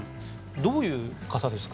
どういう方ですか？